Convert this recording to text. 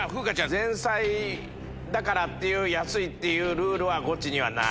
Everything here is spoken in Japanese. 前菜だから安いっていうルールはゴチにはない。